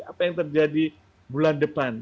apa yang terjadi bulan depan